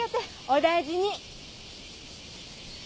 お大事に。